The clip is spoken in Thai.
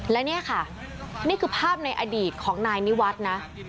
และนี่ค่ะนี่คือภาพในอดีตของนายนิวัฒน์นะ